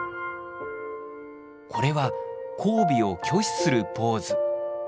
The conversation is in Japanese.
これは交尾を拒否するポーズ。